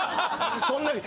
そんなに。